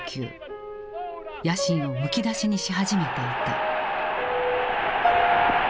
野心をむき出しにし始めていた。